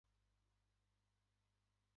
アルメリア県の県都はアルメリアである